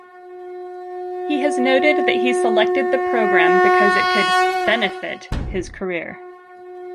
He has noted that he selected the program because it could "benefit" his career.